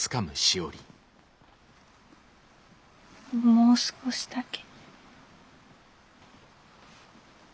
もう少しだけ。